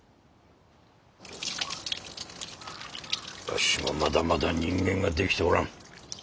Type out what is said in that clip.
５５？わしはまだまだ人間が出来ておらん。